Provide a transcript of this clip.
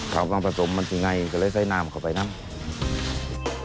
ของต้องผสมมันเป็นอย่างไรก็เลยใส่น้ำเข้าไปนั่ง